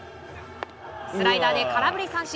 スライダーで空振り三振！